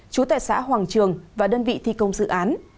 chú tại xã hoàng trường và đơn vị thi công dự án